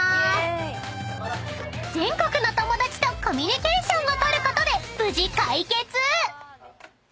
［全国の友達とコミュニケーションを取ることで無事解決！］